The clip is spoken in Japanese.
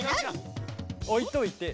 おいといて。